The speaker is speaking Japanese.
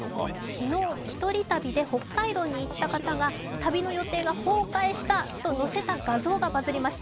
昨日、１人旅で北海道に行った女性が旅の予定が崩壊したと載せた画像がバズりました。